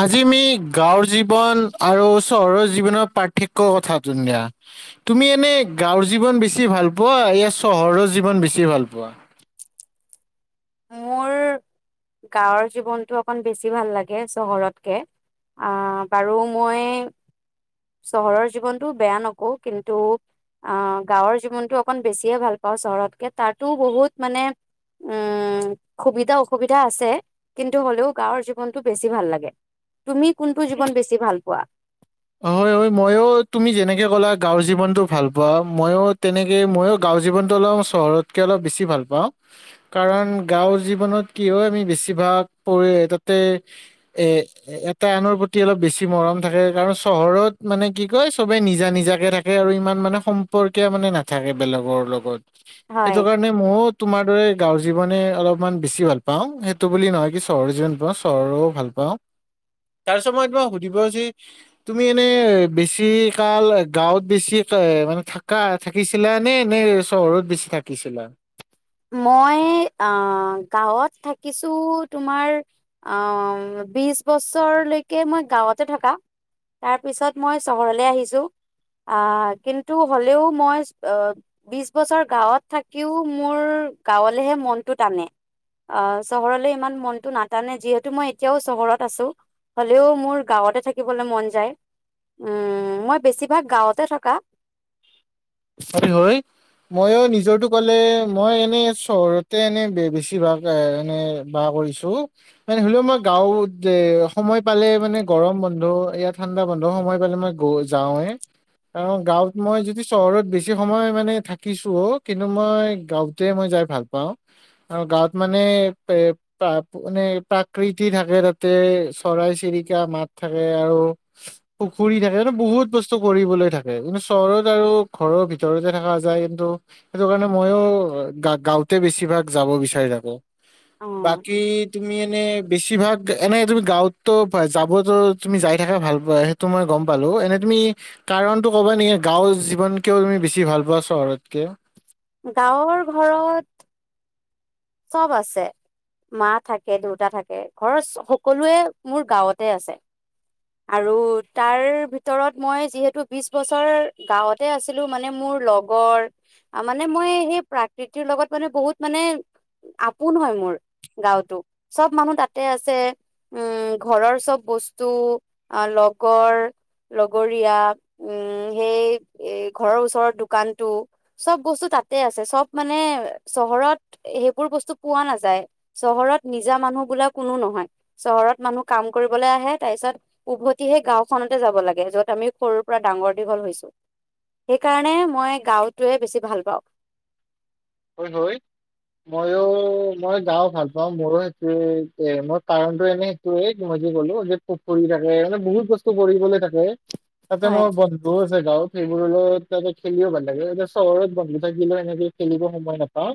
আজি মমি গাঁৱৰ জীৱন আৰু চহৰৰ জীৱনৰ পাৰ্থক্য কথাটো দিয়া তুমি এনে গাঁৱৰ জীৱন বেছি ভাল পোৱা ই চহৰৰ জীৱন বেছি ভাল পোৱা মোৰ গাঁৱৰ জীৱনটো অকণ বেছি ভাল লাগে চহৰতকে আহ বাৰু মই চহৰৰ জীৱনটো বেয়া নকওঁ কিন্তু আহ গাঁৱৰ জীৱনটো অকণ বেছিয়ে ভাল পাওঁ চহৰতকে তাতো বহুত মানে উম সুবিধা অসুবিধা আছে কিন্তু হ'লেও গাঁৱৰ জীৱনতটো বেছি ভাল লাগে তুমি কোনটো জীৱন বেছি ভাল পোৱা হয় হয় ময়ো তুমি যেনেকে কলা গাঁৱৰ জীৱনটো ভাল পোৱা মইো তেনেকে ময়ো গাঁৱৰ জীৱনটো অলপ চহৰতকে অলপ বেছি ভাল পাওঁ কাৰণ গাঁওৰ জীৱনত কি হয় আমি বেছিভাগ প তাতে এ এটা আনৰ প্ৰতি অলপ বেছি মৰম থাকে কাৰণ চহৰত মানে কি কয় চবে নিজা নিজাকে থাকে আৰু ইমান মানে সম্পৰ্কীয় মানে নাথাকে বেলেগৰ লগত হয় সেইটো কাৰণে মওত তোমাৰ দৰে গাঁৱৰ জীৱনে অলপমান বেছি ভাল পাওঁ সেইটো বুলি নহয় কি চহৰৰ জীৱন পাওঁ চহৰো ভাল পাওঁ তাৰপাছত মই তোমাক সুধিব যি তুমি এনে বেছি কাল গাঁৱত বেছি মানে থাকা থাকিছিলা নে চহৰত বেছি থাকিছিলা মই অ গাঁৱত থাকিছো তোমাৰ অ বিশ বছৰলৈকে মই গাঁৱতে থকা তাৰপিছত মই চহৰলে আহিছো অ কিন্তু হ'লেও মই বিশ বছৰ গাঁৱত থাকিও মোৰ গাঁৱলেহে মনটো টানে অ চহৰলৈ ইমান মনটো নাটানে যিহেতু মই এতিয়াও চহৰত আছো হ'লেও মোৰ গাঁৱতে থাকিবলৈ মন যায় উম মই বেছিভাগ গাঁৱতে থকা ক্ষতি হয় মইও নিজৰটো ক'লে মই এনে চহৰতে এনে বেছিভাগ এনে বাহ কৰিছো মানে হ'লেও মই গাঁৱত সময় পালে মানে গৰম বন্ধ এয়া ঠাণ্ডা বন্ধ সময় পালে মই যাওঁৱে কাৰণ গাঁৱত মই যদি চহৰত বেছি সময় মানে থাকিছোও অ কিন্তু মই গাঁওঁতে মই যাই ভাল পাওঁ আৰু গাঁৱত মানে প্ৰাকৃতি থাকে তাতে চৰাই চিৰিকা মাত থাকে আৰু পুখুৰী থাকে বহুত বস্তু কৰিবলৈ থাকে কিন্তু চহৰত আৰু ঘৰৰ ভিতৰতে থকা যায় কিন্তু সেইটো কাৰণে মইও গাওঁতে বেছিভাগ যাব বিচাৰি থাকো অ বাকী তুমি এনে বেছিভাগ এনে তুমি গাঁৱতো যাবতো তুমি যাই থাকে ভাল পোৱা সেইটো মই গম পালো এনে তুমি কাৰনটো ক'বা নেকি গাঁওৰ জিৱন কিয় তুমি বেছি ভাল পোৱা চহৰতকে গাঁৱৰ ঘৰত চব আছে মা থাকে দেউতা থাকে ঘৰৰ সকলোৱে মোৰ গাঁৱতে আছে আৰু তাৰ ভিতৰত মই যিহেতু বিশ বছৰ গাঁৱতে আছিলো মানে মোৰ লগৰ মানে মই সেই প্ৰাকৃতিৰ লগত মানে বহুত মানে আপোন হয় মোৰ গাঁওতো চব মানুহ তাতে আছে উম ঘৰৰ চব বস্তু লগৰ লগৰীয়া উম সেই ঘৰৰ ওচৰত দোকানটো চব বস্তু তাতে আছে চব মানে চহৰত সেইবোৰ বস্তু পোৱা নাযায় চহৰত নিজা মানুহ বোলা কোনো নহয় চহৰত মানুহ কাম কৰিবলৈ আহে তাৰ পিছত উভতিহে গাওখনতে যাব লাগে যত আমি সৰুৰ পৰা ডাঙৰ দীঘল হৈছো সেইকাৰণে মই গাওঁটোৱে বেছি ভাল পাওঁ হয় হয় মইও মই গাও ভাল পাওঁ মোৰো সেইটোয়ে মই কাৰণটোো এনে সেইটোয়ে মই যে কলো যে পুখুৰী থাকে মানে বহুত বস্তু কৰিবলৈ থাকে তাতে হয় মোৰ বন্ধু আছে গাঁওত সেইবোৰলৈ তাতে খেলিও ভাল লাগে এতিয়া চহৰত বন্ধু থাকিলেও সেনেকে খেলিব গম নাপাও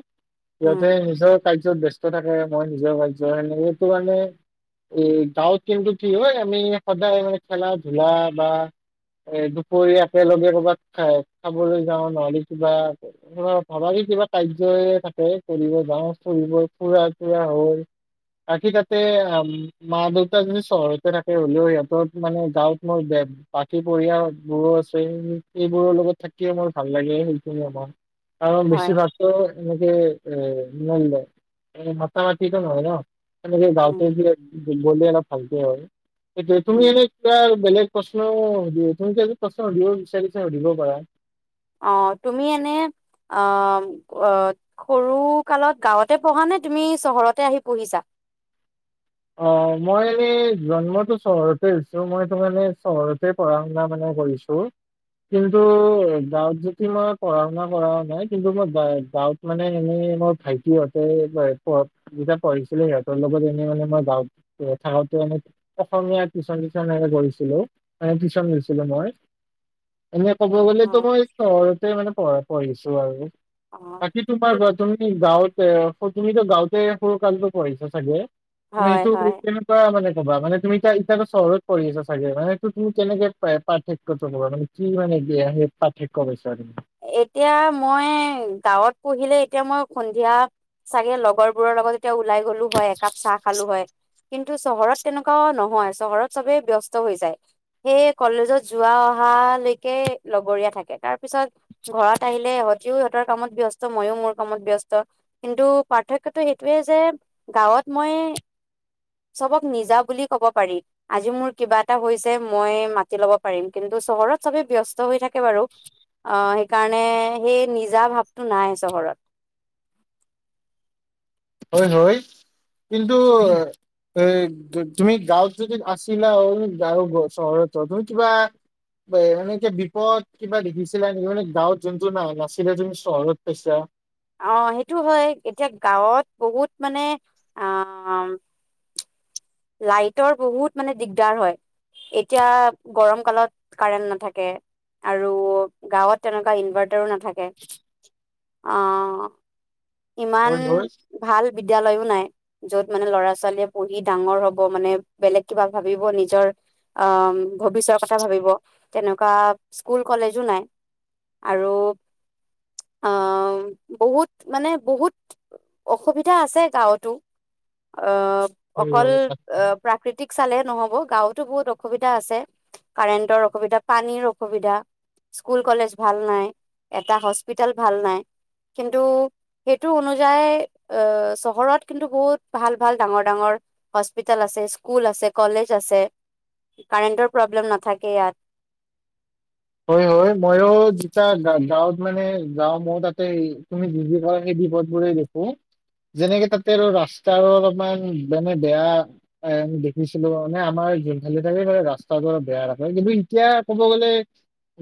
উম সয়াতে নিজৰ কাৰ্যত ব্য্স্ত থাকে মই নিজৰ কাৰ্যৰ কাৰে এইটো মানে এই গাঁৱত কিন্তু কি হয় আমি সদায় মানে খেলা ধূলা বা এ দুপৰীয়া একেলগে কৰ'ৰবাত খাই খাবলৈ যাওঁ নহলে কিবা ভবাি কিবা কাৰ্যয় থাকে কৰিব যাওঁ ফুৰিব ফুৰা চুৰা হৈ বাকী তাতে মা দেউতা যদি চহৰতে থাকে হলেও সিহঁতৰ মানে গাঁৱত মোৰ বাকী পঢ়িয় বোৰো আছে সেইবোৰৰ লগত থাকিয়ে মোৰ ভাল লাগে সেইখিনিয়ে মই আৰু হয় বেছি ভাগ এনেক ন মত মটিট নো ন সে গাঁওঁতে উম বলে ন আককি হয় উম তুমি এনে কিবা বেলেগ প্ৰশ্ন সুধ তুমি প্ৰশ্ন সুধিব বিচাৰিছ সুধিবও পাৰা অ তুমি এনে আহ আহ সৰু কালত গাঁৱতে পঢ়া নে তুমি চহৰতে আহি পঢ়িছা অ মই এনেই জন্মটো চহৰতে হৈছো মইতো মানে চহৰতে পঢ়া শুনা মানে কৰিছো কিন্তু গাঁৱত যদি মই পঢ়া শুনা কৰা নাই কিন্তু মই গাঁৱত মানে এনেই মোৰ ভাইটিহঁতে যেতিয়া পঢ়িছিলো সিহঁতৰ লগত এনে মানে মই থাক অসমীয়া টিউচন নিচন কৰিছিলো ম টিউচন লৈছিলো মই এনে ক'ব গ'লেতো হয়, মই চ মানে পঢ়ি পঢ়িছো আৰু অ', বাকী তোমাৰ তুমি গাঁৱত তুমি ত গাঁওঁতে ফৰু কালটো পোৱাইচ চাগয়? তুমি হয়, এইটো হয়। কেনেকুৱা মানে ক'বা মানে তুমি এতিয়া এতিয়াতো চহৰত পঢ়ি আছা চাগে, মানে সেইটো তুমি কেনেকে পাৰ্থক্যটো‌ কবা? মানে কি মানে কি আ সেই পাৰ্থক্য পাইছা তুমি? এতিয়া মই গাঁৱত পঢ়িলে এতিয়া মই সন্ধিয়া চাগে লগৰবোৰৰ লগত এতিয়া ওলাই গলো হয়, একাপ চাহ খালো হয়। কিন্তু চহৰত তেনেকুৱা‌ নহয়, চহৰত চবেই ব্যস্ত হৈ যায়। সেই কলেজত যোৱা অহালৈকে লগৰীয়া থাকে, তাৰ পিছত [unintelligible] ‌ কামত ব্যস্ত মইও মোৰ কামত ব্যস্ত, কিন্তু পাৰ্থক্যটো সেইটোৱে যে গাঁৱত মই চবক নিজা বুলি কব পাৰি, আজি মোৰ কিবা এটা হৈছে মই মাতি লব পাৰিম, কিন্তু চহৰত চবে ব্যস্ত হৈ থাক কে বাৰু সেইকাৰণে সেই নিজা ভাৱটো নাই চহৰত হয় হয়, কিন্তু এই তুমি গাঁৱত যদি আছিলা আৰু গাঁৱত [unintelligible] চহৰত চোৱা, তুমি কিবা এ এনেকে বিপদ কিবা দেখিছিলা নেকি মানে গাঁৱত জোনটো নাছিলে তুমি চহৰত পাইছা? অ, সেইটো হয়। এতিয়া গাঁৱত বহুত মানে অ' লাইটৰ বহুত মানে দিগদাৰ হয়। এতিয়া গৰম কালত কাৰেণ্ট নাথাকে, আৰু গাঁৱত তেনেকুৱা ইনভাৰ্টাৰো নাথাকে, অ' ইমান হয় হয় ভাল বিদ্যালয়ত নাই। য'ত মানে ল'ৰা-ছোৱালীৱে পঢ়ি ডাঙৰ হ'ব মানে, বেলেগ কিবা ভাবিব নিজৰ অ' ভৱিষ্যৰ কথা ভাবিব, তেনেকুৱা স্কুল কলেজো নাই আৰু আহ বহুত মানে বহুত অসুবিধা আছে গাঁৱতো হয় অকল হয় এ প্ৰাকৃতিক চালে নহ'ব গাঁৱতো বহুত অসুবিধা আছে। কাৰেণ্টৰ অসুবিধা, পানীৰ অসুবিধা, স্কুল কলেজ ভাল নাই, এটা হস্পিতেল ভাল নাই, কিন্তু সেইটো অনুযায়ী চহৰত কিন্তু বহুত ভাল ভাল ডাঙৰ ডাঙৰ হস্পিতেল আছে, স্কুল আছে, কলেজ আছে, কাৰেন্টৰ প্ৰব্লেম নাথাকে ইয়াত। হয়, হয়। মইও যেতিয়া গাঁৱত মানে যাওঁ, মও তাতে তুমি যিবোৰ [unintelligible] সেই বিপদ বোৰে দেখোঁ। যেনেকে তাতে আৰু ৰাস্তাৰো অলপমান মানে বেয়া এ দেখিছিলোঁ, মানে আমাৰ জোনফালে থাকে ৰাস্তাটো অলপ বেয়া থাকে, কিন্তু এতিয়া কব গ'লে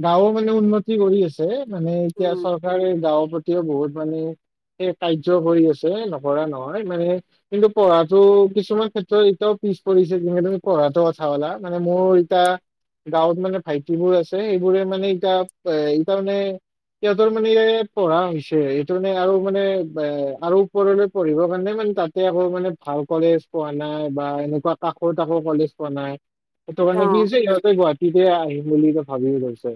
গাঁৱৰ মানে উন্নতি কৰি আছে, মানে এতিয়া উম, চৰকাৰে গাঁৱৰ প্ৰতিও বহুত মানে কাৰ্য কৰি আছে নকৰা নহয়, মানে কিন্তু পঢ়াটো কিছুমান ক্ষেত্ৰত এতিয়াও পিছ পৰিছে যেনেকে তুমি পঢ়াটো কথা কলা, মানে মোৰ এতিয়া গাঁৱত মানে ভাইটিবোৰ আছ ছে, এইবোৰে মানে এতিয়া এইকাৰণে সিহঁতৰ মানে এ পঢ়া হৈছে, এইটো মানে আৰু মানে আৰু ওপৰলৈ পঢ়িবৰ কাৰণে মানে তাতে আকৌ মানে ভাল কলেজ পোৱা নাই, বা এনেকুৱা কাষত আকৌ কলেজ পোৱা নাই, সেইটো অ কাৰণে কি হৈছে সিহঁতে গুৱাহাটীতে আহিম বুলি ভাবিব লৈছে।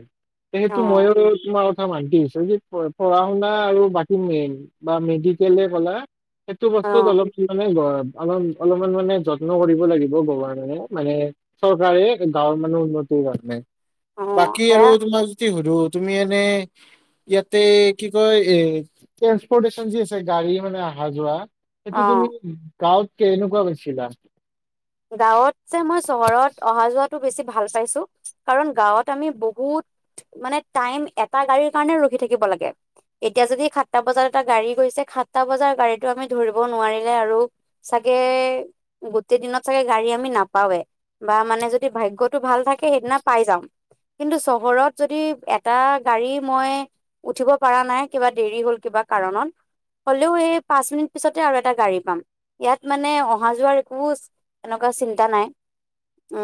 অ সেইটো‌ মই ও তোমাৰ কথাত মান্তি হৈছোঁ। যদি পঢ়া শুনা আৰু বাকী মেইন বা মেডিকেলে ক'লা সেইটো অ বস্তুত অলপ [unintelligible] অল, অলপমান মানে যত্ন কৰিব লাগিব গভৰমেনে মানে চৰকাৰে গাঁৱৰ মানে উন্নতিৰ কাৰণে অ বাকী আৰু সেয়া তোমাৰ যদি সুধো তুমি এনে ইয়াতে কি কয় এ, ট্ৰেন্সপৰ্টেচন যি আছে গাড়ী মানে আহা যোৱা সেটো অ তুমি গাঁওত কেনেকুৱা কৈছিলা গাঁৱত যে, মই চহৰত অহা যোৱাটো বেছি ভাল পাইছো কাৰণ গাঁৱত আমি বহুত মানে টাইম এটা গাড়ীৰ কাৰণে ৰখি থাকিব লাগে। এতিয়া যদি সাতটা বজাত এটা গাড়ী গৈছে সাতটা বজাৰ গাড়ীটো আমি ধৰিব নোৱাৰিলে আৰু চাগে গোটেই দিনত চাগে গাড়ী আমি নাপাওঁৱে বা মানে যদি ভাগ্যটো ভাল থাক সেইদিনা পায় যাম কিন্তু চহৰত যদি এটা গাড়ী মই উঠিব পৰা নাই কিবা দেৰি হ'ল কিবা কাৰণত হ'লেও সে পাঁচ মিনিট পিছতে আৰু এটা গাড়ী পাম ইয়াত মানে অহা যোৱাৰ একো এনেকুৱা চিন্তা নাই উ,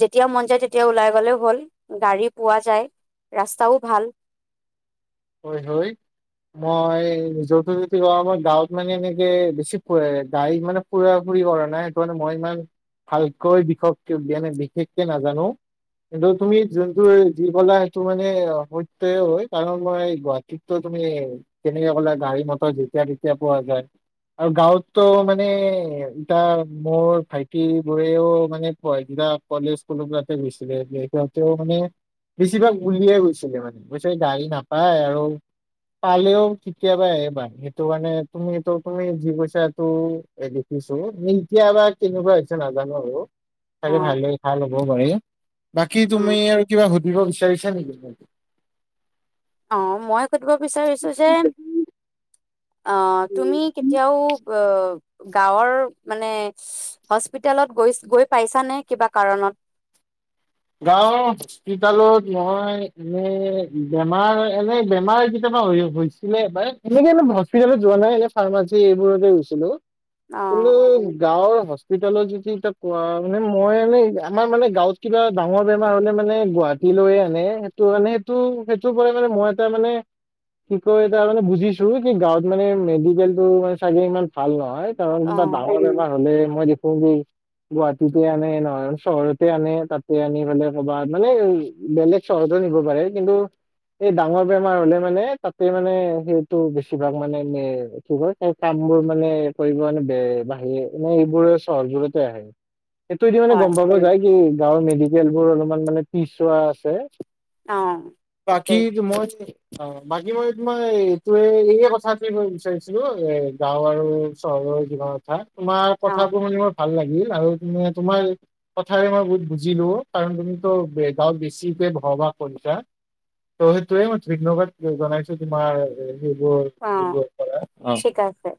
যেতিয়া মন যায় তেতিয়া ওলাই গ'লেও হ'ল গাড়ী পোৱা যায, ৰাস্তাও ভাল। হয়, হয় মই নিজৰটো যদি কওঁ মই গাঁৱত মানে এনেকে বেছি গাই মানে ফুৰা ফুৰি কৰা নাই সেইটো মানে মই ইমান ভালকৈ বিষ দিয়ানে বিশেষকে নাজানো কিন্তু তুমি যোনটো যি কলা সেইটো মানে সত্যয়ে হয়, কাৰণ মই গুৱাহাটীতো তুমি কেনেকে ক'লা গাড়ী, মটৰ যেতিয়া তেতিয়া পোৱা যায় আৰু গাঁৱতো মানে এতয়া মোৰ ভাইটি বোৰেও মানে [unintelligible] কলেজ স কাতে গৈছিলে সিহঁতেও মানে বেছিভাগ উলিয়াই গৈছিলে মানে গ গাড়ী না পাই আৰু পালেও কিতিয়াবা এবাৰ সেইটোকাৰণে তুমিটো, তুমি যি কৈছাটো দেখিছো ইতিয়াবা কেনেকুৱা হৈছে নাজানো আৰু অ চাগে ভালে, ভাল হ'ব পাৰে বাকী উম তুমি আৰু কিবা সুধিব বিচ চলচা নক অ মই সুধিব বিচাৰিছো যে অ তুমি কেতিয়াও আহ গাঁৱৰ মানে হস্পিতেলত গৈ গৈ পাইছানে কিবা কাৰণত গাঁওৰ হস্পিতালত মই এনে বেমাৰ এনে বেমাৰ কেতিয়াবা হৈছিলে বা এনেকে হস্পিতালত যোৱা নাই ফাৰ্মাচী এইবোৰতে গৈছিলো অ কিন্তু গাঁৱৰ হস্পিতালৰ য এ কোৱা মানে মই মানে আমাৰ মানে গাঁৱত কিবা ডাঙৰ বেমাৰ হলে মানে গুৱাহাটী লৈয়ে আনে সেইটো মানে সেইটো সেইটোৰ পৰা মানে মই এটা মানে কি কয় এটা মানে বুজিছো কি গাঁৱত মানে মেডিকেল টো মানে চাগে ইমান ভাল নহয় এই ত অ কিবা ডাঙৰ এমা হলে মই দেখো যেেই গুৱাহাটীতে আনে নয় চহৰতে আনে তাত আনি পেলাই কবাত মানে বেলেগ চহৰতো নিব পাৰে কিন্তু এই ডাঙৰ বেমাৰ হলে মানে তাতে মানে সেইটো বেছিভাগ মানে কি কৰে স কামবোৰ মানে কৰিবে বে বাহিৰে মে এইবোৰে চহৰবোৰতে আহে এইটো এটো মানে হয় গম পাব যায় কি য ি [unintelligible] কেল বোৰ অলপমান মানে পিছোৱা আছে অ বাকি তাকেই মজ অ বাকী মই তো মই এইটোৱে এইয়ে কথাটে মই বিচাৰিছিলো এ গাঁও আৰু চহৰৰ কিবা কথা তোমাৰ অ কথাবোৰ মানে মই ভাল লাগিল আৰু মে তোমাৰ কথাৰে মই বহুত বু বুজিলো কাৰণ তুমিতো গাঁল বেছিকে ভৰবাগ কৰিছা ত' সেইটোৱে মই ধুনগৰত জনাইছো তোমাৰ যোৰ অ যিবোৰ পৰা অ ঠিক আছে